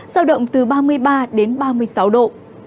sao động từ ba mươi ba ba mươi sáu độ